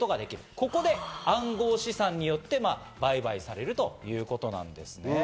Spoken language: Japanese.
ここで暗号資産によって売買されるということなんですね。